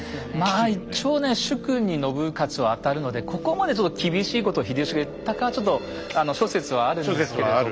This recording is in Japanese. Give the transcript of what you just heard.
まあ一応ね主君に信雄はあたるのでここまでちょっと厳しいことを秀吉が言ったかはちょっと諸説はあるんですけれども。